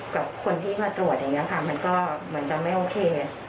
กับคนที่มาตรวจอย่างนี้ค่ะมันก็ไม่โอเค